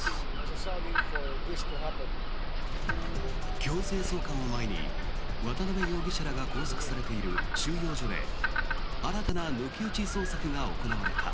強制送還を前に渡邉容疑者らが拘束されている収容所で新たな抜き打ち捜索が行われた。